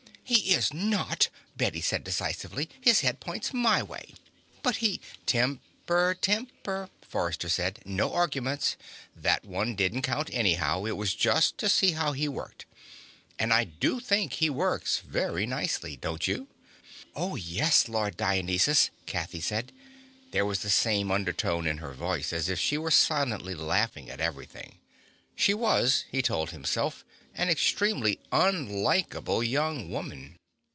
"He is not!" Bette said decisively. "His head points my way!" "But he " "Temper, temper," Forrester said. "No arguments. That one didn't count, anyhow it was just to see how he worked. And I do think he works very nicely, don't you?" "Oh, yes, Lord Dionysus," Kathy said. There was the same undertone in her voice, as if she were silently laughing at everything. She was, he told himself, an extremely unlikable young woman.